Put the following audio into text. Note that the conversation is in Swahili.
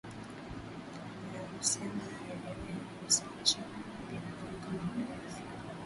yanayohusiana na maendeleo yaliyosawazishwa ya binadamu kama vile afya